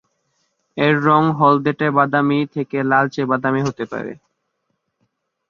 এর রঙ হলদেটে-বাদামী থেকে লালচে-বাদামী হতে পারে।